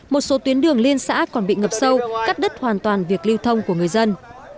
một số tuyến đường liên xã còn bị ngập sâu cắt đứt hoàn toàn việc lưu thông của người dân